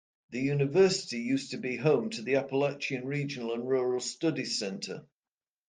The university used to be home to the Appalachian Regional and Rural Studies Center.